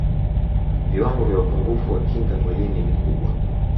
viwango vya upungufu wa kinga mwilini ni kubwa